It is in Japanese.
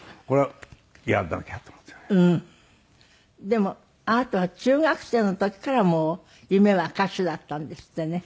でもあなたは中学生の時からもう夢は歌手だったんですってね？